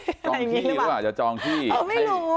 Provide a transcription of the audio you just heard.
จองที่หรือเปล่าจะจองที่ไม่รู้